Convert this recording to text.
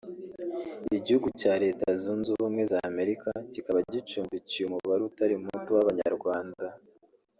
Igihugu cya Leta Zunze Ubumwe za Amerika kikaba gicumbikiye umubare utari muto w’Abanyarwanda